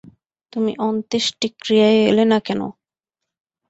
তুমি অন্ত্যেষ্টিক্রিয়ায় এলে না কেন?